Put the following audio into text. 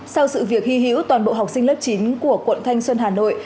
sau sự việc hy hữu toàn bộ học sinh lớp chín của quận thanh xuân hà nội